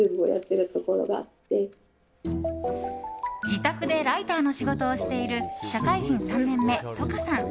自宅でライターの仕事をしている社会人３年目、ｔｏｋａさん。